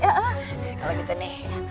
iya kalau gitu nih